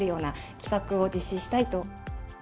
企画を実施したいと。